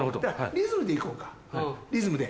リズムで行こうかリズムで。